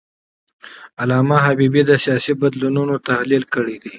علامه حبیبي د سیاسي بدلونونو تحلیل کړی دی.